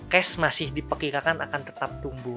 cash masih diperkirakan akan tetap tumbuh